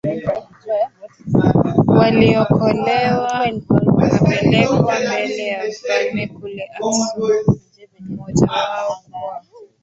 waliokolewa wakapelekwa mbele ya mfalme kule Aksum Mmojawao kwa